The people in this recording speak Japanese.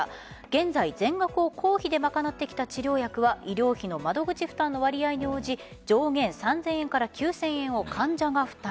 現在全額を公費で賄ってきた治療薬は医療費の窓口負担の割合に応じ上限３０００円から９０００円を患者が負担。